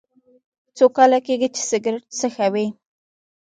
څو کاله کیږي چې سګرټ څکوئ؟